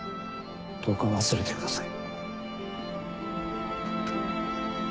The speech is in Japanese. どうか忘れてください。